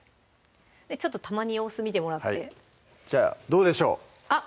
ちょっとたまに様子見てもらってはいじゃあどうでしょうあっ